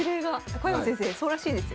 小山先生そうらしいですよ。